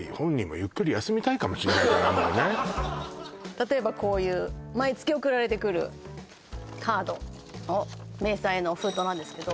例えばこういう毎月送られてくるカードの明細の封筒なんですけど